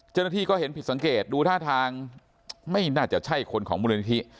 เจ้าหน้าที่ก็เห็นผิดสังเกตดูท่าทางไม่น่าจะใช่คนของมูลนิธิ